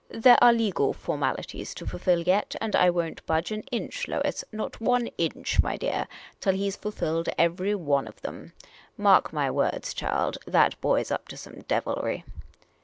There are legal formalities to fulfil yet ; and I won't budge an inch, Lois, not one inch, my dear, till he 's fulfilled every one of them. Mark my words, child, that boy 's up to some devilry."